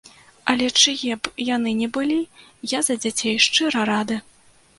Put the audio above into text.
Але чые б яны ні былі, я за дзяцей шчыра рады.